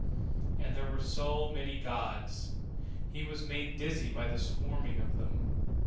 And there were so many gods! He was made dizzy by the swarming of them.